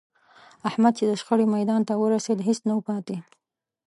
احمد چې د شخړې میدان ته ورسېد، هېڅ نه و پاتې